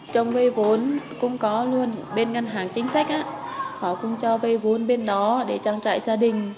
trong vây vốn cũng có luôn bên ngân hàng chính sách á họ cũng cho vây vốn bên đó để trang trại gia đình